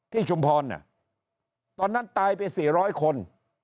ชุมพรตอนนั้นตายไป๔๐๐คน